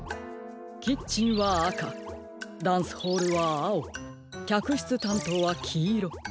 キッチンはあかダンスホールはあおきゃくしつたんとうはきいろ。